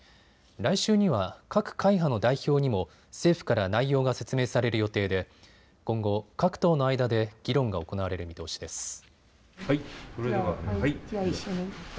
来週には各会派の代表にも政府から内容が説明される予定で今後、各党の間で議論が行われる見通しです。